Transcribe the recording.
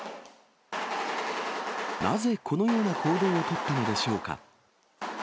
なぜこのような行動を取ったのでしょうか。